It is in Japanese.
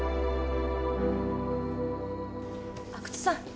阿久津さん